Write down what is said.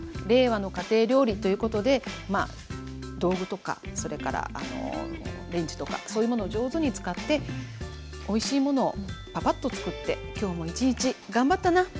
令和の家庭料理ということで道具とかそれからレンジとかそういうものを上手に使っておいしいものをパパッと作って今日も一日頑張ったな